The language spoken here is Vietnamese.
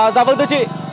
dạ vâng thưa chị